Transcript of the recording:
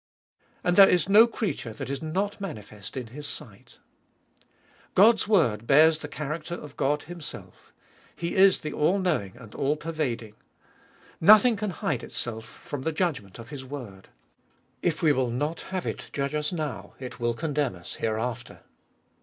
And there is no creature that is not manifest in His sight. God's word bears the character of God Himself. He is the all knowing and all pervading : nothing can hide itself from the judgment of His word. If we will not have it judge us now, it will condemn us hereafter.